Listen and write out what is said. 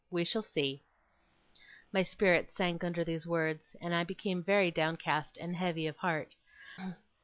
We shall see.' My spirits sank under these words, and I became very downcast and heavy of heart.